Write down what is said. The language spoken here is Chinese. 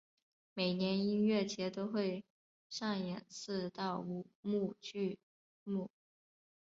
每年音乐节都会上演四到五幕剧目。